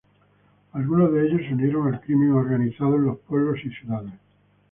Algunos de ellos se unieron al crimen organizado en los pueblos y ciudades.